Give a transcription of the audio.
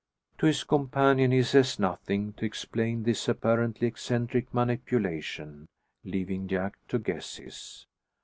To his companion he says nothing to explain this apparently eccentric manipulation, leaving Jack to guesses.